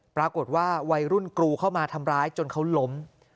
ปรากฏว่าวัยรุ่นกรูเข้ามาทำร้ายจนเขาล้ม